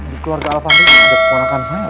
di keluarga alfahri ada keponakan saya